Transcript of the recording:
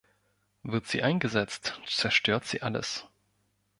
Wird sie eingesetzt, zerstört sie alles.